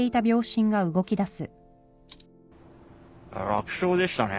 楽勝でしたね。